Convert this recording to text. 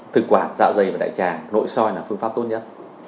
thực quản dạ dày và đại tràng nội soi là phương pháp tốt nhất